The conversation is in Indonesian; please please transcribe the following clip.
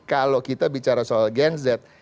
kalau kita bicara soal gen z